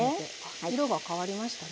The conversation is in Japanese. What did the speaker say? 色が変わりましたね。